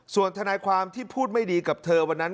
ส่วนทนายความที่พูดไม่ดีกับเธอวันนั้น